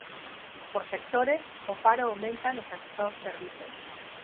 Por sectores, o paro aumenta no sector servizos.